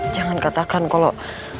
jangan katakan kalau